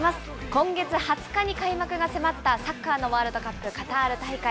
今月２０日に開幕が迫った、サッカーのワールドカップカタール大会。